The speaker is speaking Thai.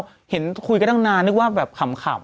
ก็เห็นคุยกันตั้งนานนึกว่าแบบขำ